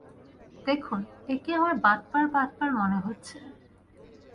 দেখুন, একে আমার বাটপার বাটপার মনে হচ্ছে।